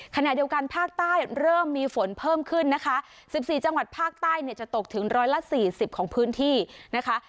ขณะเดียวกันภาคใต้เริ่มมีฝนเพิ่มขึ้นนะคะ๑๔จังหวัดภาคใต้เนี่ยจะตกถึงร้อยละสี่สิบของพื้นที่นะคะ